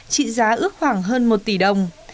trị giá ước khoảng hơn một tỷ đồng